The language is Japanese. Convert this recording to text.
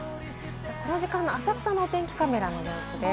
この時間の浅草のお天気カメラの様子です。